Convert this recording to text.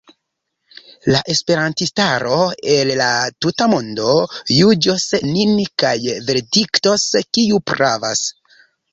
La esperantistaro el la tuta mondo juĝos nin kaj verdiktos, kiu pravas.